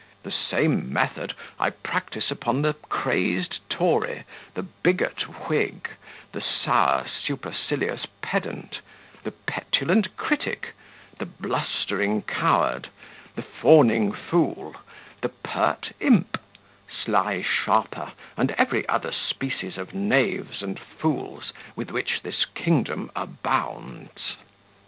The same method I practise upon the crazed Tory, the bigot Whig, the sour, supercilious pedant, the petulant critic, the blustering coward, the fawning fool, the pert imp, sly sharper, and every other species of knaves and fools, with which this kingdom abounds.